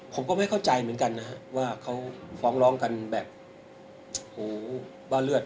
ผมก็ไม่เข้าใจเหมือนกันนะฮะว่าเขาฟ้องร้องกันแบบหูบ้าเลือด